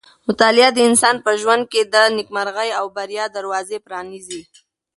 مطالعه د انسان په ژوند کې د نېکمرغۍ او بریا دروازې پرانیزي.